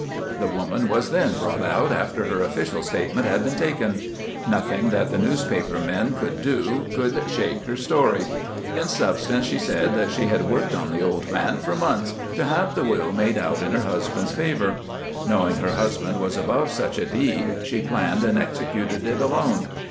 The woman was then brought out after her official statement had been taken. Nothing that the newspaper men could do could shake her story. In substance she said that she had worked on the old man for months to have the will made out in her husband's favour. Knowing her husband was above such a deed, she planned and executed it alone.